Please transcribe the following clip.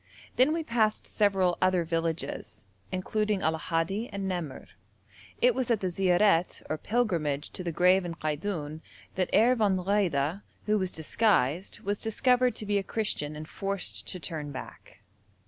Then we passed several other villages, including Allahaddi and Namerr. It was at the ziaret or pilgrimage to the grave in Kaidoun that Herr von Wrede, who was disguised, was discovered to be a Christian and forced to turn back.